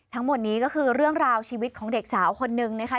ทั้งหมดนี้ก็คือเรื่องราวชีวิตของเด็กสาวคนนึงนะคะ